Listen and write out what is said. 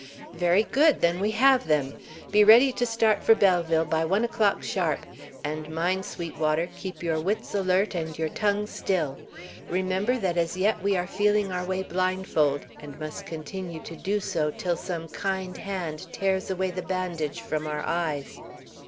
'" "Very good; then we have them! Be ready to start for Belleville by one o'clock sharp. And mind, Sweetwater, keep your wits alert and your tongue still. Remember that as yet we are feeling our way blindfold, and must continue to do so till some kind hand tears away the bandage from our eyes.